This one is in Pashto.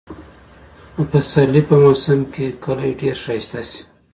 د پسرلي په موسم کې کلى ډېر ښايسته شي.